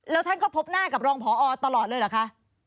แล้วท่านก็พบหน้ากับรองพอตลอดเลยเหรอคะ